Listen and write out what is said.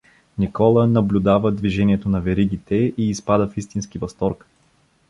Никола наблюдава движението на веригите и изпада в истински възторг.